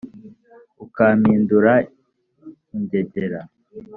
ukampindura ingegera